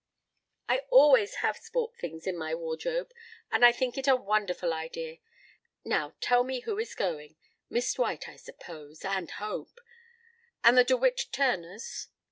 I always have sport things in my wardrobe and I think it a wonderful idea. Now tell me who is going. Miss Dwight, I suppose and hope. And the De Witt Turners?"